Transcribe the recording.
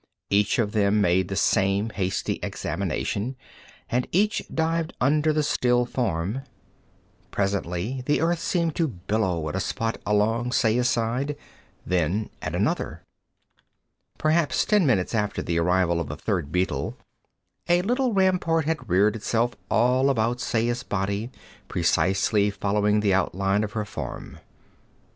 Each of them made the same hasty examination, and each dived under the still form. Presently the earth seemed to billow at a spot along Saya's side, then at another. Perhaps ten minutes after the arrival of the third beetle a little rampart had reared itself all about Saya's body, precisely following the outline of her form.